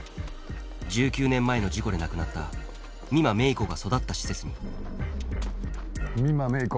１９年前の事故で亡くなった美馬芽衣子が育った施設に美馬芽衣子